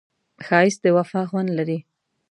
ښایست د وفا خوند لري